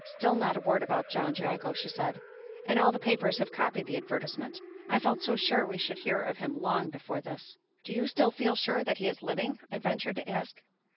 "Still not a word about John Jago," she said. "And all the papers have copied the advertisement. I felt so sure we should hear of him long before this!" "Do you still feel sure that he is living?" I ventured to ask.